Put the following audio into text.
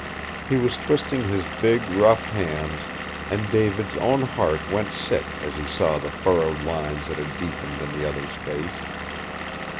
He was twisting his big, rough hands, and David's own heart went sick as he saw the furrowed lines that had deepened in the other's face.